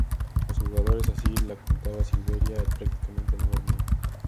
Los jugadores, así lo contaba Silvera, prácticamente no dormían.